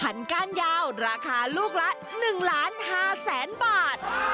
พันกาลยาวราคาลูกละ๑๕๐๐๐๐๐บาท